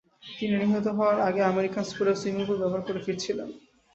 তিনি নিহত হওয়ার আগে আমেরিকান স্কুলের সুইমিং পুল ব্যবহার করে ফিরছিলেন।